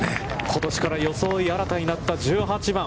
ことしから装い新たになった１８番。